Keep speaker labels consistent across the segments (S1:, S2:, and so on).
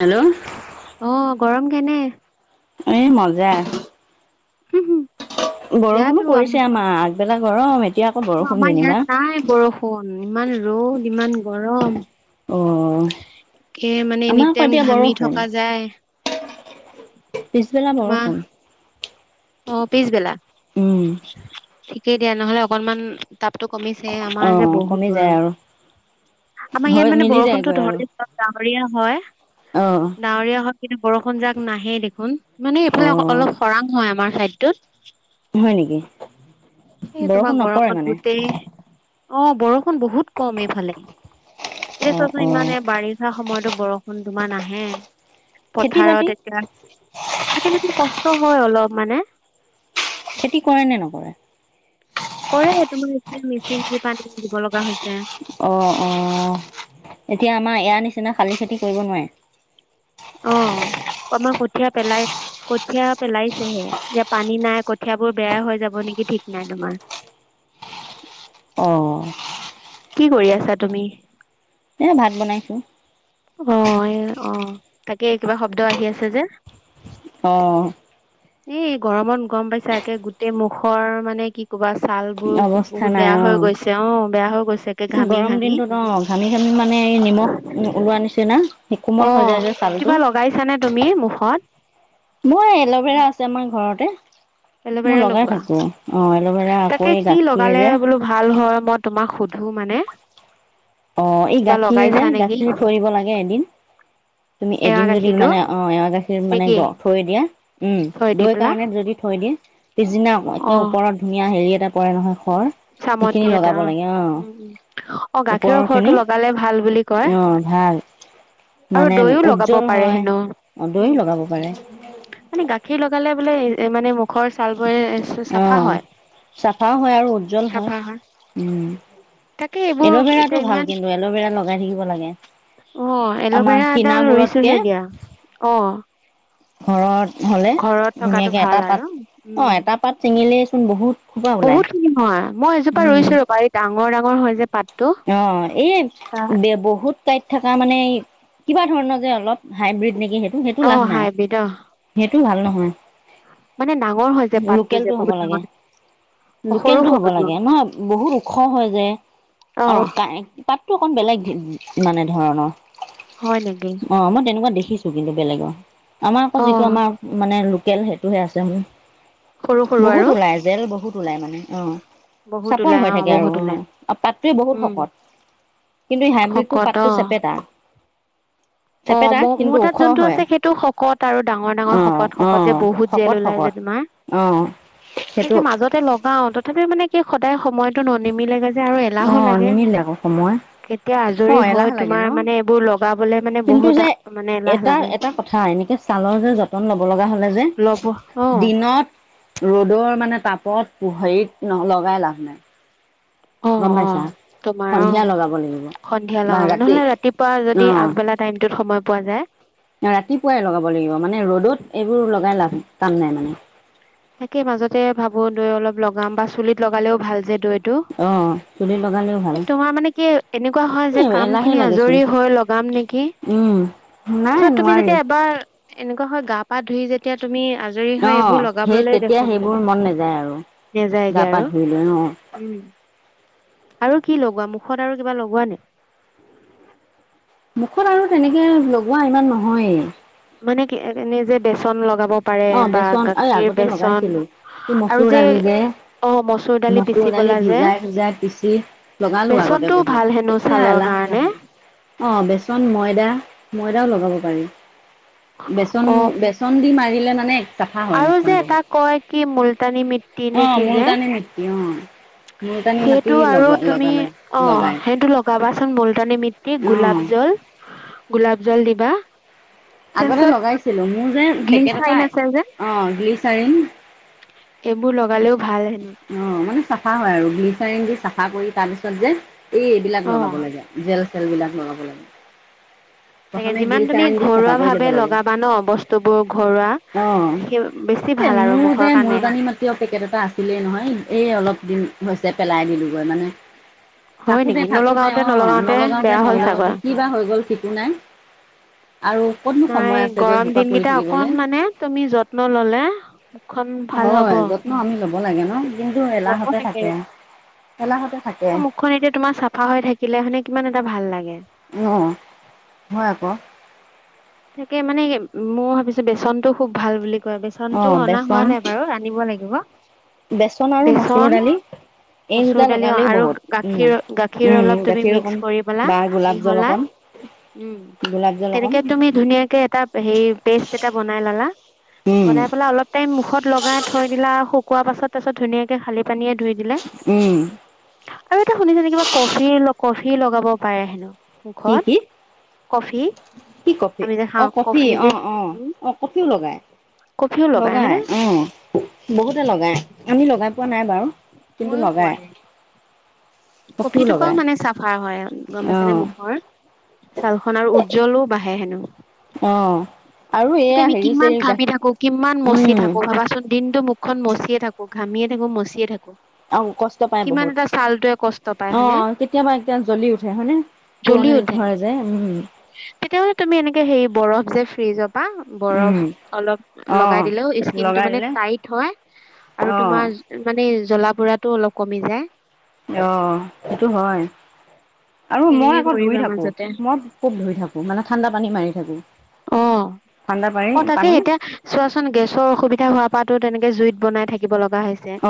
S1: Hello.
S2: অঁ', গৰম কেনে?
S1: এ মজা। বৰষুণো
S2: ইয়াতো আম
S1: পৰিছে আমাৰ আগবেলা গৰম এ
S2: অ', আমাৰ ইয়াত নাই বৰষুণ, ইমান ৰ'দ ইমান গৰম।
S1: অঁহ'।
S2: সেই মানে এনি টাইম ঘামি থকা যায়।
S1: পিছবেলা
S2: তোমাৰ
S1: বৰষুণ।
S2: অ', পিছ বেলা!
S1: উম।
S2: ঠিকেই দিয়া নহ'লে অকনমান তাপটো কমিছে,
S1: অ
S2: আমাৰ যে বহুত
S1: কমি যায়
S2: গৰম।
S1: আৰু
S2: আমাৰ ইয়াত
S1: হয়
S2: মানে
S1: মিলি
S2: বৰষুণতো
S1: যায়গৈ আৰু
S2: ধৰে ডাৱৰীয়া হয়।
S1: অ'।
S2: ডাৱৰীয়া হয় কিন্তু, বৰষুণ যাক নাহে দেখোন, মানে
S1: অ
S2: এইফালে অলপ খৰাং হয় আমাৰ চাইডটোত।
S1: হয় নেকি?
S2: এ
S1: বৰষুণ
S2: তোমাৰ
S1: নপৰে
S2: গৰমত
S1: মানে
S2: গোটেই অ', বৰষুণ বহুত কম এইফালে। এতিয়া
S1: অ
S2: চোৱাচোন
S1: অ
S2: ইমানে বাৰি উঠা সময়তো বৰষুণ তোমাৰ নাহে,
S1: খেতি বাতি
S2: পথাৰত এতিয়া খেতি বাতিটো কষ্ট হয় অলপ মানে।
S1: খেতি কৰে নে নকৰে?
S2: কৰে তোমাৰ এতিয়া মেচিন দি পানী দিব লগা হৈছে।
S1: অ', -অ', এতিয়া আমাৰ ইয়াৰ নিচিনা খালি খেতি কৰিব নোৱাৰে?
S2: অ', আমাক কঠীয়া পেলাই কঠিয় পেলাইছে হে, এতিয়া পানী নাই কঠিয়াবোৰ বেয়া হৈ যাব নেকি ঠিক নাই তোমাৰ।
S1: অঁহ।
S2: কি কৰি আছা তুমি?
S1: এ ভাত বনাইছোঁ।
S2: অ', এ, অ', তাকে কিবা শব্দ আহি আছে যে!
S1: অ'।
S2: এই গৰমত গম পাইছা, একে গোটেই মুখৰ মানে কি ক'ৰবা ছাল বোৰ
S1: অৱস্থা
S2: বহুত
S1: নাই
S2: বেয়া
S1: অ
S2: হৈ গৈছে, অ', বেয়া হৈ গৈছে একে ঘামি-ঘামি।
S1: ঘামি-ঘামি মানে নিমখ, ওলোৱা নিচিনা
S2: অ
S1: কোমল হৈ যায় যে ছাল টো।
S2: কিবা লগাইছানে তুমি মুখত?
S1: মই এল'ভেৰা আছে আমাৰ ঘৰতে,
S2: এল'ভেৰা
S1: মই লগাই
S2: লগোৱা
S1: থাকো। অ', এল'ভেৰা আকৌ
S2: তাকে
S1: এই
S2: কি
S1: গাখীৰ
S2: লগালে
S1: যে।
S2: বোলো ভাল হয় মই তোমাক সুধো মানে।
S1: অ', এই
S2: কিবা
S1: গাখীৰ যে,
S2: লগাইছা নেকি
S1: গাখীৰ থৈ দিব লাগে এদিন। তুমি
S2: এৱা
S1: এদিন যদি
S2: গাখীৰটো
S1: মানে অ', এৱা গাখীৰ মানে
S2: নেকি
S1: গ থৈ দিয়া উম,
S2: থৈ দি
S1: দৈ
S2: পেলা
S1: কাৰণে যদি থৈ দিয়ে পিছদিনা আকৌ
S2: অ
S1: একে ওপৰত ধুনীয়া হেৰি এটা পৰে নহয় সৰ
S2: চামতি এটা অ', উম, উম, অ',
S1: ওপৰৰ
S2: গাখীৰৰ সৰটো
S1: খিনি
S2: লগালে ভাল বুলি কয়।
S1: অ' ভাল
S2: আৰু
S1: মানে
S2: দৈও লগাব
S1: উজ্জ্বল
S2: পাৰে
S1: হয়।
S2: হেনো
S1: অ' দৈ
S2: উম।
S1: লগাব পাৰে
S2: মানে গাখীৰ লগালে বোলে মানে মুখৰ ছালবোৰে চ-চাফা
S1: অ',
S2: হয়।
S1: চাফাও হয়, আৰু উজ্জ্বল হয়, উম।
S2: তাকে এইবোৰ
S1: এল'ভেৰাটো
S2: এতিয়া
S1: ভাল
S2: ইমান
S1: কিন্তু, এল'ভেৰা লগাই থাকিব লাগে।
S2: অ',
S1: আমাৰ
S2: এল'ভেৰা এডাল
S1: কিনাবোৰতকে
S2: ৰুইছোহে দিয়া, অ'।
S1: ঘৰত হ'লে
S2: ঘৰত থকাটো
S1: ধুনীয়াকে
S2: ভাল
S1: এটা
S2: আৰু
S1: পাত
S2: উম
S1: অ', এটা পাত চিঙিলে চোন বহুত সোপা ওলায়।
S2: নহয়, মই এজোপা
S1: উম।
S2: ৰুইছো ৰ'বা এই ডাঙৰ ডাঙৰ হয়, যে, পাত
S1: অ', এই বে-বহুত কাঁইট থাকা মানে এই কিবা ধৰণৰ যে, অলপ হাইব্ৰীড নেকি সেইটো সেইটো
S2: অ
S1: লাভ নাই।
S2: হাইব্ৰীড অ
S1: সেইটো ভাল নহয়।
S2: মানে ডাঙৰ হয়, যে,
S1: লোকেলটো
S2: পাতটোযে
S1: হ'ব
S2: বহুত
S1: লাগে,
S2: ডাঙৰ। অ সৰু
S1: লোকেলটো হ'ব
S2: সৰুটো
S1: লাগে ন' বহুত ওখ হয়, যে।
S2: অ
S1: আৰু কা-পাতটো অকণ বেলেগ মানে ধৰণৰ
S2: হয়, নেকি?
S1: অ', মই তেনেকুৱা দেখিছোঁ কিন্তু বেলেগৰ, আমাৰ আকৌ
S2: অ
S1: যিটো আমাৰ মানে লোকেল সেইটোহে আছে মোৰ,
S2: সৰু সৰু
S1: বহুত
S2: আৰু
S1: ওলাই। জেল বহুত ওলাই মানে অ',
S2: বহুত
S1: চাপৰ
S2: ওলাই
S1: হৈ
S2: অ
S1: থাকে আৰু
S2: বহুত ওলাই
S1: অ', পাত বহুত
S2: উম
S1: শকত, কিন্তু হাইব্ৰীতো
S2: শকত
S1: পাতটো
S2: অ
S1: চেপেটা।
S2: [unintelligible] অ',
S1: চেপেটা কিন্তু
S2: ম-মোৰ তাত
S1: ওখ
S2: যোনটো
S1: হয়
S2: আছে সেইটো শকত আৰু ডাঙৰ,
S1: অ
S2: ডাঙৰ শকত,
S1: অ
S2: শকত যে, বহুত
S1: শকত
S2: জেল ওলাই
S1: শকত
S2: যে, তোমাৰ।
S1: অ'। সেইটো
S2: তাকে, মাজতে লগাওঁ তথাপিয়ো মানে কি সদায় সময়টো ন-নিমিলেগে আৰু
S1: অ
S2: এলাহো লাগে
S1: নিমিলে আকৌ সময়
S2: কেতিয়া
S1: অ
S2: আজৰি হৈ
S1: এলাহ লাগে
S2: তোমাৰ
S1: ন
S2: মানে এইবোৰ লগাবলে মানে
S1: কিন্তু
S2: বহুত
S1: যে,
S2: মানে এলাহ
S1: এটা
S2: লাগে
S1: এটা কথা এনেকে ছালৰ যে, যতন ল'ব লগা হ'লে যে
S2: ল'ব অ'।
S1: দিনত ৰ'দৰ মানে তাপত হেৰিত ন' লগাই লাভ নাই। গম
S2: অ',
S1: পাইছা
S2: অ', তোমাৰ অ',
S1: সন্ধিয়া লগাব লাগিব
S2: সন্ধিয়া
S1: বা
S2: লগাব,
S1: ৰাতি
S2: নহ'লে ৰাতিপুৱা
S1: অ
S2: যদি আগবেলা টাইমটোত সময় পোৱা যায়।
S1: ৰাতিপুৱাই লগাব লাগিব মানে ৰ'দত এইবোৰ লগাই লাভ কাম নাই মানে।
S2: তাকে, মাজতে ভাবোঁ দৈ অলপ লগাম বা চুলিত লগালেও ভাল যে, দৈ তো,
S1: অ চুলি লগালেও ভাল
S2: তোমাৰ মানে কি এনেকুৱা হয়,
S1: এ
S2: যে,
S1: এলাহে
S2: কামখিনি
S1: লাগেচোন
S2: আজৰি হৈ লগ লগাম নেকি?
S1: উম নাই
S2: তাৰপিছত তুমি
S1: নোৱাৰি
S2: যতিয়া এবাৰ এনেকুৱা হয়, গা পা ধুই যেতিয়া তুমি আজৰি হৈ
S1: অ
S2: এইবোৰ লগ
S1: সেই তেতিয়া সেইবোৰ মন নাযায় আৰু
S2: নেযায়গে
S1: গা পা
S2: আৰু
S1: ধুই লৈ অ'।
S2: উম। আৰু কি লগোৱা? মুখত আৰু কিবা লগোৱা নে?
S1: মুখত আৰু তেনেকে লগোৱা ইমান নহয়েই।
S2: মানে কি এনে যে, বেচন লগাব পাৰে
S1: অ',
S2: বা
S1: বেচন এই
S2: গাখীৰ
S1: আগতে
S2: বেচন
S1: লগাইছিলোঁ কি মচুৰ দালি যে
S2: অ দালি
S1: মচুৰ
S2: পিচি
S1: দালি
S2: পেলা যে
S1: ভিজাই, ভিজাই পিচি লগালো আগতে
S2: বেচনটো
S1: বহুত।
S2: ভাল হেনো
S1: এতিয়া
S2: ছালৰ
S1: এলাহ, এলাহ
S2: কাৰণে
S1: লাগে। অ', বেচন ময়দা, ময়দাও লগাব পাৰি বেচন
S2: অ
S1: বেচ চন্দি মাৰিলে নানে
S2: আৰু যে এটা কয় কি মুলতানী মিট্টি নে কি যে?
S1: তাকে অ' মুলতানী মাটি
S2: সেইটো আৰু
S1: লগোৱা
S2: তুমি
S1: লগালে
S2: অ',
S1: লগাই
S2: সেইটো লগাবাচোন। মলটনিী মিট্টি
S1: অ',
S2: গোলাপ জল। গোলাপ জল দিবা।
S1: আগতে
S2: তাৰপিছত
S1: লগাইছিলোঁ। মোৰ যে
S2: গ্লিচাইন
S1: পেকেটকা
S2: আছে যে
S1: অ', গ্লিচাৰিং।
S2: এইবোৰ লগালেও ভাল হেনো।
S1: অ', মানে চাফা হয় আৰু গ্লিচাৰিং দি চাফা কৰি তাৰ পিছত যে এই এইবিলাক
S2: অ
S1: লগাব লাগে। জেল চেল বিলাক লগাব লাগে।
S2: তাকে
S1: প্ৰথমে
S2: যিমান তুমি
S1: গ্লিচাৰিন দি চাফা
S2: ঘৰুৱা
S1: কৰি ল'ব
S2: ভাৱে
S1: লাগে
S2: লগাবা ন বস্তুবোৰ ঘৰুৱা
S1: অ'।
S2: সেই বেছি
S1: মোৰ
S2: ভাল আৰু
S1: মতে
S2: মুখৰ
S1: যে
S2: কাৰণে
S1: মূলতানী মান পেকেট এটা আছিলেই নহয়। এই অলপ দিন হৈছে পেলাই দিলোগৈ মানে।
S2: হয়
S1: থাকোতে,
S2: নেকি
S1: থাকোতে
S2: নলগাওতে
S1: অ', নলগাওতে,
S2: বেয়া হ'ল
S1: নলগাওতে
S2: চাগৈ
S1: কিবা হৈ গ'ল থিকো নাই। আৰু ক'ত নো
S2: নাই
S1: সময় আছে গৈ
S2: গৰম
S1: সেইসুপা কৰি
S2: দিনকেইটা অকন
S1: থাকিবলে।
S2: মানে তুমি যত্ন ললে মুখখন ভাল হ'ব।
S1: হয় যত্ন আমি ল'ব লাগে ন। কিন্তু
S2: ল'ব
S1: এলাহতে
S2: লাগে।
S1: থাকে এলাহতে থাকে।
S2: খুৰীদেউ তোমাৰ চাপ চাফা হৈ থাকিলে মানে কিমান এটা ভাল লাগে।
S1: অ', হয় আকৌ।
S2: তাকে মানে মই ভাবিছোঁ বেচনতটো খুব ভাল বুলি কয়
S1: অ
S2: বেচনতো অনা হোৱা
S1: বেচন
S2: নাই বাৰু আনিব লাগিব।
S1: বেচন আৰু মচুৰ দালি এই
S2: মচুৰ
S1: দুটা
S2: দালি
S1: লগালেও
S2: আৰু
S1: বহুত উম,
S2: গাখীৰ গাখীৰ
S1: উম
S2: অলপ তুমি
S1: গাখীৰ
S2: মিক্স
S1: অকণ
S2: কৰি পেলা
S1: বা গোলাপ জল
S2: মিহলাই
S1: অকণ।
S2: উম
S1: গোলাপ জল অকণ
S2: তেনেকে তুমি ধুনিয়াকে এটা হে পেষ্ট এটা বনাই ললা
S1: উম
S2: বনাই পেলাই অলপ টাইম মুখত লগাই থৈ দিলা আৰু শুকুৱোৱাৰ পাছত তাৰাছত ধুনীয়াকে খালি পানীয়ে ধুই দিলে
S1: উম।
S2: আৰু এটা শুনিছ নে কিবা কফি, কফি লগাব পাৰে হেনো।
S1: কি
S2: মুখত
S1: কি
S2: কফি
S1: কি কফি
S2: আমি যে খাওঁ
S1: অ', কফি
S2: যে
S1: অ', অ',
S2: উম
S1: অ', কফিও লগাই।
S2: কফিও
S1: লগাই
S2: হয়নে
S1: অ', বহুতে লগাই আমি লগাই পোৱা নাই বাৰু। কিন্তু
S2: ময়ো পোৱা
S1: লগায়।
S2: নাই কফিটোৰ পৰাও মানে চাফা হয় গ'ম
S1: অ
S2: পাইছে নে মুখৰ। ছাল খনৰ আৰু উজ্জ্বলো বাঢ়ে হেনো।
S1: অ'। আৰু এয়া
S2: এতিয়া আমি
S1: হেৰি
S2: কিমান
S1: চেৰি
S2: ঘামি
S1: গাখীৰ
S2: থাকো কিমান মচি
S1: উম
S2: থাকো ভাবাচোন দিনটো মু মুখ খন মচিয়ে থাকো ঘামিয়ে থাকো মচিয়ে থাকো।
S1: আৰু কষ্ট পাই
S2: কিমান
S1: বহুত
S2: এটা ছালটোৱে কষ্ট পায় হয়নে
S1: অ', কেতিয়াবা এতিয়া জ্বলি উঠে হয়নে।
S2: জ্বলি
S1: পুৰণি
S2: উঠে।
S1: ঘৰ উম।
S2: কেতিয়াবা তুমি এনেকে হেৰি বৰফ যে ফ্ৰীজৰ পৰা
S1: উম
S2: বৰফ অলপ
S1: অ
S2: লগাই দিলেও স্কিনটো
S1: লগাই
S2: মানে
S1: দিলে
S2: টাইট হয়
S1: অ
S2: আৰু তোমাৰ মানে জ্বলা পুৰাটো অলপ কমি যায়।
S1: অ সেইটো হয়। আৰু মই
S2: তেনেকে
S1: আকৌ ধুই
S2: কৰিবা
S1: থাকো
S2: মাজতে
S1: মই খুব ধুই থাকো মানে ঠাণ্ডা পানী মাৰি থাকো।
S2: অ
S1: ঠাণ্ডা পাৰী
S2: অ তাকে
S1: পানী।
S2: এতিয়া চোৱাচোন গেছৰ অসুবিধা হোৱা পৰাতো তেনেকে জুইত বনাই থাকিব লগা লগা হৈছে
S1: অ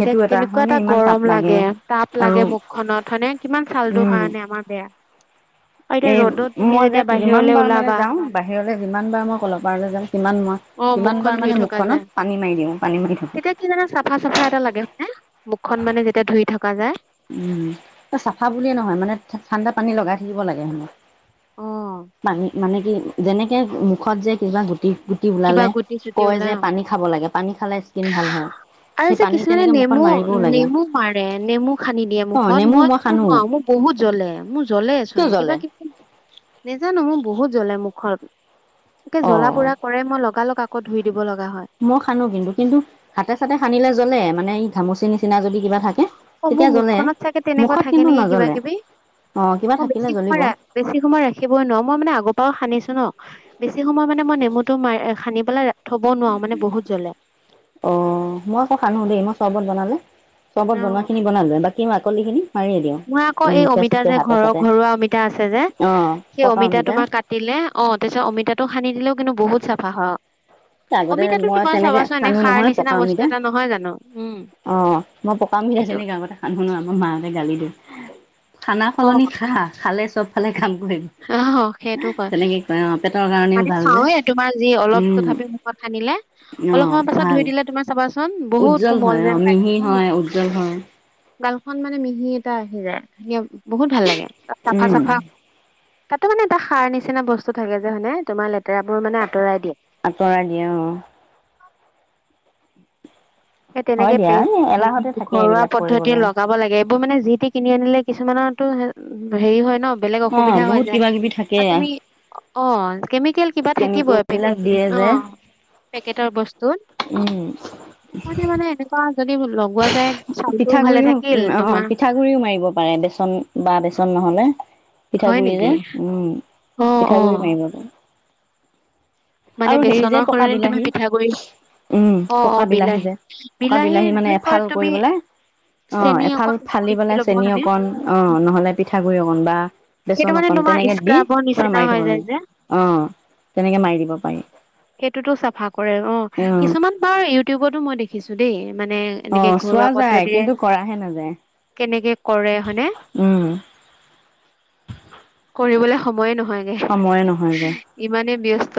S2: এতিয়া কেনেকুৱা
S1: হয়নে
S2: এটা
S1: ইমান তাপ
S2: গৰম লাগে তাপ
S1: আৰু
S2: লাগে মুখখনত হয় নে কিমান চালটো কাৰণে আমাৰ বেয়া আৰু
S1: এ
S2: এতিয়া ৰ'দত তুমি
S1: মই যে
S2: যেতিয়া
S1: যিমান
S2: বাহিৰলৈ
S1: বাৰ মানে
S2: ওলাবা
S1: যাওঁ বাহিৰলে সিমানবাৰ মই কলপাৰলৈ যাওঁ সিমান মই
S2: অ
S1: সিমান
S2: মুখখন
S1: বাৰ
S2: ধুই
S1: মানে
S2: থকা যায়
S1: মুখখনত পানী মাৰি দিওঁ পানী মাৰি থাকো।
S2: তেতিয়া কি জানে চাফা চাফা এটা লাগে মানে মুখখন মানে যেতিয়া ধুই থকা যায়
S1: উম চাফা বুলিয়ে নহয় মানে ঠাণ্ডা পানী লগাই থাকিব লাগে হেনো
S2: অ
S1: পানী মানে কি যেনেকে মুখত যে কিবা গুটি
S2: কিবা
S1: ওলালে
S2: গুটি চুটি
S1: কয়
S2: ওলাই
S1: যে
S2: অ
S1: পানী খাব লাগে পানী খালে স্কিন ভাল হয়
S2: আৰু
S1: সেই
S2: যে
S1: পানী
S2: কিছুমানে
S1: তেনেকে মুখত
S2: নেমু
S1: মাৰিবও লাগে
S2: নেমু মাৰে নেমু সানি দিয়ে
S1: অ
S2: মুখত
S1: নেমু
S2: মই কিন্তু
S1: সানো
S2: নোৱাৰো মোৰ বহুত জ্বলে মোৰ জ্বলেচোন
S1: কিয়
S2: কিবা
S1: জ্বলে
S2: কিবি নেজানো মোৰ বহুত জ্বলে মুখত একে জ্বলা
S1: অ
S2: পুৰা মই লগা লগ আকৌ ধুই দিব লগা হয়।
S1: মই সানো কিন্তু কিন্তু হাতে চাতে সানিলে জ্বলে মানে ঘামুচি নিচিনা যদি কিবা থাকে।
S2: অ মোৰ
S1: তেতিয়া জ্বলে
S2: মুখখনত চাগে তেনেকুৱা
S1: মুখত
S2: থাকে
S1: কিন্তু
S2: নেকি কিবা
S1: নজ্বলে
S2: কিবি
S1: অ কিবা
S2: মই
S1: থাকিলে
S2: বেছি
S1: জ্বলিব
S2: সময় ৰা বেছি সময় ৰাখিবই নোৱাৰো মই মানে আগৰ পৰাও সানিছো ন বেছি সময় মানে মই নেমুটো মা সানি পেলাই থ'বও নোৱাৰো মানে বহুত জ্বলে।
S1: অ মই আকৌ সানো দেই মই চৰ্বত বনালে চৰ্বত
S2: অ
S1: বনোৱা
S2: অ
S1: খিনি বনালো বাকী সেই বাকলি খিনি
S2: মই আকৌ এই অমিতা যে ঘৰৰ ঘৰুৱা অমিতা আছে যে
S1: অ
S2: সেই অমিতা তোমাৰ কা কাটি দিলে অ তাৰপিছত অমিতাটো সানি দিলেও কিন্তু বহুত চাফা হয় অ
S1: আগতে
S2: অমিতাটো
S1: মই
S2: তোমাৰ
S1: তেনেকে
S2: চাবাচোন এনে
S1: সানো
S2: খাৰ
S1: নহয় পকা
S2: নিচিনা বস্তু
S1: অমিতা
S2: এটা নহয় জানো উম
S1: অ মই পকা অমিতা আছে
S2: সেইটো
S1: নেকি গাঁৱতে আকো শুনো আমাৰ মাহঁতে গালি দিলে খানা সলনি খা খালে চব খালে কাম কৰিম
S2: অ' সেইটো কয়
S1: তেনেকে অ পেটৰ কাৰণেও
S2: মানে
S1: ভাল যে
S2: খাওঁৱে তোমাৰ যি অলপ
S1: উম
S2: তথাপি মুখত সানিলে
S1: অ
S2: অলপ সময় পাছত ধুই
S1: ভাল
S2: দিলে তোমাক চাবাচোন বহুত
S1: উজ্জ্বল
S2: কোমল
S1: হয় অ
S2: যেন লাগে
S1: মিহি হয় উজ্জ্বল হয়।
S2: গালখন মানে মিহি এটা আহি যাই ধুনীয়া বহুত ভাল লাগে চাফা
S1: উম
S2: চাফা তাতো মানে এটা খাৰ নিচিনা বস্তু থাকে মানে তোমাৰ লেতেৰাবোৰ মানে আঁতৰাই দিয়ে
S1: আতৰাই দিয়ে অ
S2: সেই
S1: হয়
S2: তেনেকে
S1: দিয়া এ এলাহতে
S2: পেষ্ট
S1: থাকে
S2: ঘৰুৱা
S1: এইবিলাক
S2: পদ্ধতিৰে
S1: কৰিবলৈ।
S2: লগাব লাগে এইবোৰ মানে যি তি কিনি আনিলে কিছুমানৰতো হেৰি হয় ন বেলেগ
S1: অ
S2: অসুবিধা হৈ
S1: বহুত
S2: যায়
S1: কিবা কিবি থাকে
S2: আৰু তুমি অ কেমিকেল কিবা
S1: কেমিকেল
S2: থাকিবই
S1: বিলাক
S2: পেকেট
S1: দিয়ে
S2: অ পেকেটৰ বস্তুত
S1: উম
S2: মানে মানে এনেকুৱা যদি লগোৱা যায় চালটোও ভালে থাকিল তোমাৰ
S1: পিঠা গুৰিও মাৰিব পাৰে বেচন বা বেচন নহলে
S2: হয়
S1: পিঠাগুৰি
S2: নেকি
S1: যে উম
S2: অ
S1: পিঠা
S2: অ
S1: গুৰি মাৰিব পাৰে
S2: মানে
S1: আৰু হেৰি যে
S2: বেচনৰ
S1: পকা
S2: সলনি তুমি
S1: বিলাহী।
S2: পিঠাগুৰি
S1: উম,
S2: অ অ
S1: পকা বিলাহী যে পকা বিলাহী মানে
S2: বুলি কয়
S1: এফাল
S2: তুমি
S1: কৰি পেলাই অ',
S2: চেনি
S1: এফাল
S2: অকণ
S1: ফালি
S2: মিহি কৰি
S1: পেলাই
S2: ল'ব
S1: চেনি
S2: হয়নে
S1: অকণ অ' নহ'লে পিঠাগুৰি অকণ বা
S2: সেইটো
S1: বেচন
S2: মানে
S1: অকন
S2: তোমাৰ
S1: তেনেকে দি
S2: স্ক্ৰাবৰ
S1: পুৰা
S2: নিচিনা
S1: মাৰি
S2: হৈ
S1: থ'ব
S2: যায় যে
S1: লাগে অ' তেনেকে মাৰি দিব পাৰি।
S2: সেইটোতো চাফা কৰে অ' কিছুমান বাৰু ইউটিউবতো মই দেখিছো দেই। মানে এনেকে
S1: অ', চোৱা
S2: ঘৰুৱা
S1: যায়
S2: পদ্ধতিৰে
S1: কিন্তু কৰাহে নাযায়।
S2: কেনেকে কৰে হয়নে
S1: উম
S2: কৰিবলে সময়ে নহয়!
S1: সময়ে নহয়গৈ
S2: ইমানে ব্যস্ত।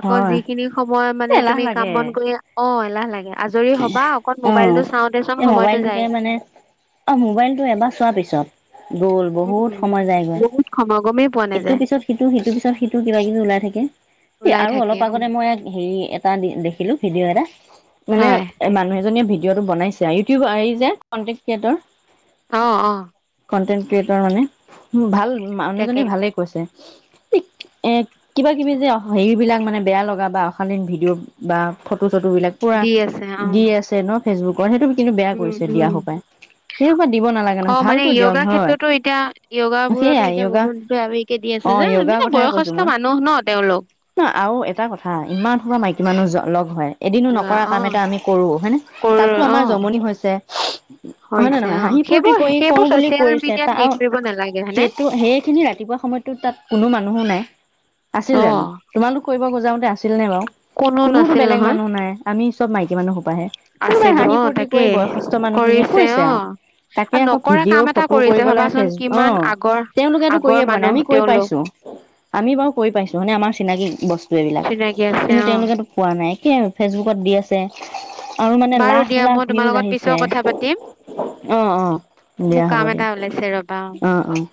S2: আকৌ
S1: হয়
S2: যিখিনি সময় মানে
S1: এলাহ
S2: তুমি কাম
S1: লাগে
S2: বন কৰি অ' এলাহ লাগে। আজৰি হ'বা অকন
S1: অ
S2: মোবাইলটো চাওঁতেইচোন
S1: এই
S2: সময়
S1: মোবাইলটোকে মানে অ', মোবাইলটো এবাৰ চোৱাৰ পিছত গ'ল
S2: উম
S1: বহুত সময় যায়গৈ।
S2: [inaudible]
S1: ইটো পিছত সিটো সিটো পিছত সিটো কিবা কিবি ওলাই থাকে। এ
S2: ওলাই
S1: আৰু
S2: থাকে
S1: অলপ
S2: অ
S1: আগতে মই ইয়াত হেৰি এট দেখিলো ভিডিঅ' এটা মানে
S2: হয়
S1: মানুহ এজনীয়ে ভিডিঅ'টো বনাই ছে ইউটিউবাৰ এই যে কন্টেন্ট ক্ৰিয়েতৰ।
S2: অ', অ'।
S1: কন্টেন্ট ক্ৰিয়েটৰ মানে ভাল
S2: তাকে
S1: মানুহজনীয়ে ভালে কৈছে। [inaudible] কিবা কিবি যে হেৰি বিলাক মানে বেয়া লগা বা অশালীন ভিডিঅ' বা ফটো চটো বিলাক। পুৰা
S2: দি আছে অ
S1: দি আছে ন ফেচবুকৰ সেইটো কিন্তু বেয়া
S2: উম
S1: কৰিছে দিয়া
S2: উম
S1: সোপায়। সেই সোপা দিব নালাগে
S2: অ
S1: নহয়
S2: মানে
S1: ভালতো দিয়ক
S2: য়োগা
S1: হয়।
S2: ক্ষেত্ৰতো
S1: সেইয়াই ইউগা
S2: বেয়া বেৰি কে দি আছে যে মানে বয়সস্থ মানুহ ন তেওঁলোক।
S1: ন আৰু এটা কথা ইমান সোপা মাইকী মানুহ লগ হয়। এদিনো
S2: যোৱা
S1: নকৰা
S2: অ
S1: কাম এটা আমি কৰো হয়নে
S2: কৰ
S1: তাতো
S2: অ
S1: আমাৰ জমনি হৈছে। হয় নে নহয়
S2: হৈছে
S1: নহয়
S2: অ
S1: হাঁহি ফুৰ্তি
S2: সেইবোৰ
S1: কৰি কওঁ
S2: সেইবোৰ
S1: বুলি
S2: চচিয়েল
S1: কৰিছে
S2: মিডিয়াত
S1: তা
S2: হেৰি কৰিব নালাগে হয়নে
S1: সেইটো সেই আজি ৰাতিপুৱা সময়তো তাত কোনো মানুহো নাই আছিল জানো?
S2: অ
S1: তোমালোক কৰিব যাওঁতে আছিল নে বাৰু
S2: কোনো
S1: কোনোতো
S2: নাছিল
S1: বেলেগ
S2: নহয়।
S1: মানুহ নাই আমি চব মাইকী মানুহ সোপাহে। কোনোবাই
S2: আছিলো
S1: হাঁহি
S2: অ
S1: ফূৰ্তি
S2: তাকে
S1: কৰি বয়সস্থ মানুহখিনিয়ে
S2: কৰিছে
S1: কৈছে
S2: অ
S1: আৰু।
S2: আৰু
S1: তাকে আকৌ
S2: নকৰা কাম
S1: ভিডিঅ'
S2: এটা
S1: ফটো
S2: কৰিছে
S1: কৰিব লাগে
S2: ভাবাচোন
S1: ফেচবুক
S2: কিমান
S1: অ'
S2: আগৰ
S1: তেওঁলোকেতো কৰি
S2: আগৰ
S1: পোৱা নাই
S2: মানুহ
S1: আমি কৰি
S2: তেওঁলোক
S1: পাইছোঁ। আমি বাৰু কৰি পাইছো মানে আমাৰ চিনাকি বস্তু এইবিলাক।
S2: চিনাকি আছে
S1: কিন্তু
S2: অ
S1: তেওঁলোকে পোৱা নাই কিয় ফেচবুকত দি আছে। আৰু মানে
S2: বাৰু
S1: লাখ
S2: দিয়া মই
S1: লাখ
S2: তোমাৰ
S1: ভিউজ
S2: লগত পিছৰ
S1: আহিছে।
S2: কথা পাতিম
S1: অ', অ',
S2: মোৰ
S1: দিয়া
S2: কাম
S1: হ'ব
S2: এটা ওলাইছে ৰবা
S1: দিয়া অ' অ'।